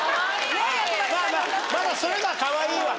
まだそれはかわいいわ。